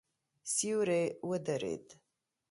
سیوری ودرېد.